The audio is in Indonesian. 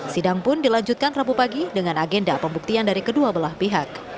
sidang pun dilanjutkan rabu pagi dengan agenda pembuktian dari kedua belah pihak